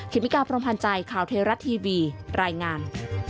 คริมิการ์พรมพันธ์ใจข่าวเทรารัฐทีวีรายงาน